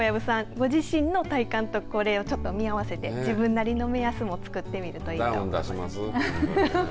ご自身の体感とこれをちょっと見合わせて自分なりの目安もつくってみるといいと思います。